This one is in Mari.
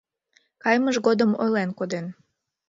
Кайымыж годым ойлен коден: